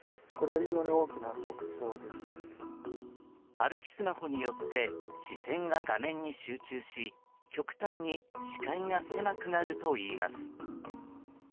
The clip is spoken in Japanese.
歩きスマホによって視線が画面に集中し極端に視界が狭くなるといいます。